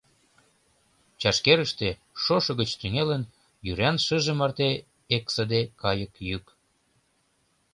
Чашкерыште, шошо гыч тӱҥалын, йӱран шыже марте эксыде кайык йӱк.